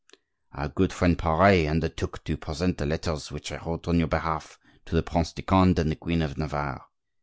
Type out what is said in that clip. Our good friend Pare undertook to present the letters which I wrote on your behalf to the Prince de Conde and the queen of Navarre.